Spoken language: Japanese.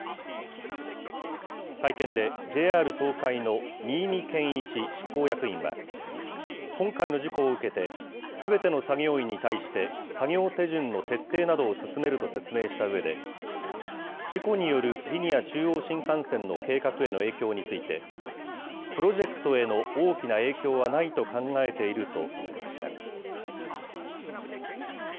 会見で、ＪＲ東海の新美憲一執行役員は、今回の事故を受けて、すべての作業員に対して、作業手順の徹底などを進めると説明したうえで、事故によるリニア中央新幹線の計画への影響について、プロジェクトへの大きな影響はないと考えていると述べました。